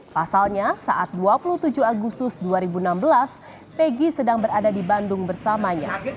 pasalnya saat dua puluh tujuh agustus dua ribu enam belas peggy sedang berada di bandung bersamanya